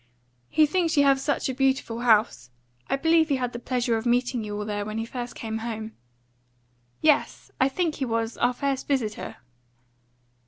He thinks you have such a beautiful house. I believe he had the pleasure of meeting you all there when he first came home." "Yes, I think he was our first visitor."